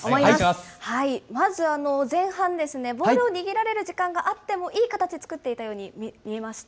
まず前半ですね、ボールを握られる時間があっても、いい形作っていたように見えました。